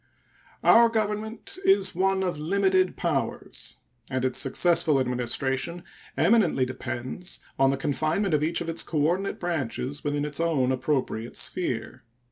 Our Government is one of limited powers, and its successful administration eminently depends on the confinement of each of its coordinate branches within its own appropriate sphere.